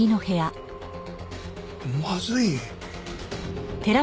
まずい！